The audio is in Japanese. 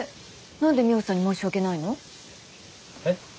何でミホさんに申し訳ないの？え？